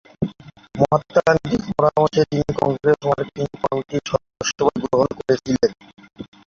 মহাত্মা গান্ধীর পরামর্শে তিনি কংগ্রেস ওয়ার্কিং কমিটির সদস্যপদ গ্রহণ করেছিলেন।